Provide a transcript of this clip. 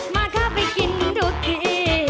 มาข้าวไปกินโดดเถอร์